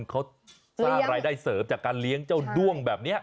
เขาสร้างรายได้เสริมจากการเลี้ยงเจ้าด้วงแบบนี้